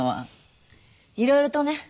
いろいろとね。